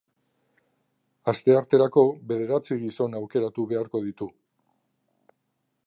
Astearterako bederatzi gizon aukeratu beharko ditu.